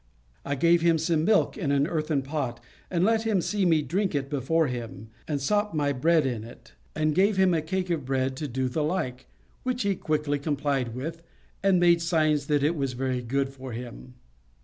I gave him some milk in an earthen pot, and let him see me drink it before him, and sop my bread in it; and gave him a cake of bread to do the like, which he quickly complied with, and made signs that it was very good for him.